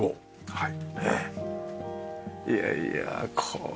はい。